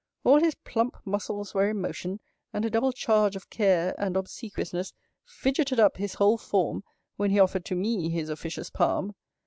All his plump muscles were in motion, and a double charge of care and obsequiousness fidgeted up his whole form, when he offered to me his officious palm.